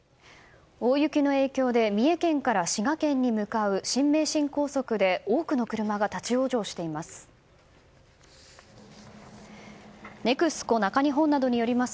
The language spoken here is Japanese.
大雪の影響で三重県から滋賀県に向かう新名神高速で多くの車が立ち往生しています。